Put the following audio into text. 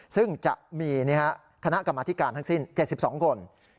ซึ่งจะมีคณะกรรมธิการทั้งสิ้น๗๒คน